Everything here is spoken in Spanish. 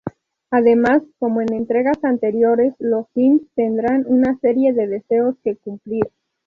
Además, como en entregas anteriores, los Sims tendrán una serie de deseos que cumplir.